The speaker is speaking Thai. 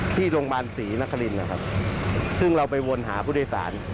ที่โรงพยาบาลศรีนครินนะครับซึ่งเราไปวนหาผู้โดยสาร